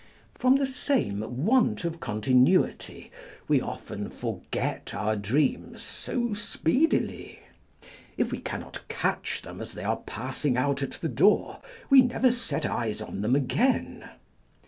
From the same want of continuity, we often forget our dreams so speedily : if we cannot catch them as they are passing out at the door, we never set eyes on them again.